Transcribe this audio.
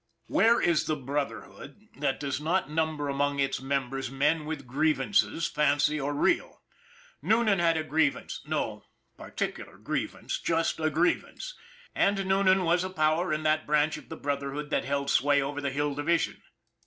Where is the Brotherhood that does not number among its members men with grievances, fancied or real? Noonan had a grievance, no par ticular grievance, just a grievance and Noonan was a power in that branch of the Brotherhood that held sway over the Hill Division.